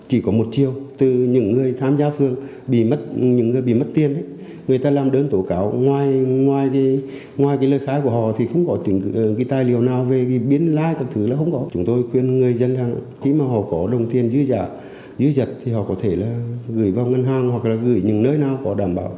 họ có thể gửi vào ngân hàng hoặc gửi những nơi nào có đảm bảo